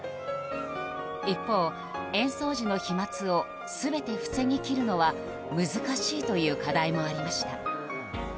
一方、演奏時の飛沫を全て防ぎ切るのは難しいという課題もありました。